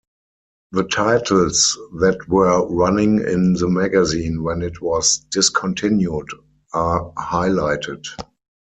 The titles that were running in the magazine when it was discontinued are highlighted.